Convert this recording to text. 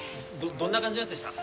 どんな感じのやつでした？